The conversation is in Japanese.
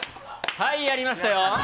はい、やりましたよ。